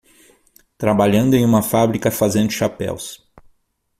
Trabalhando em uma fábrica fazendo chapéus